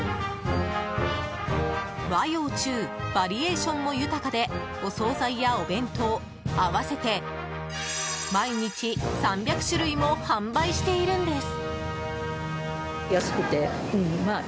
和洋中、バリエーションも豊かでお総菜やお弁当合わせて毎日３００種類も販売しているんです。